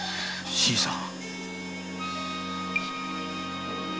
新さん。